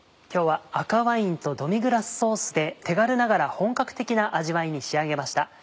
今日は赤ワインとドミグラスソースで手軽ながら本格的な味わいに仕上げました。